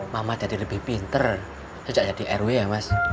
mama jadi lebih pinter sejak jadi rw ya mas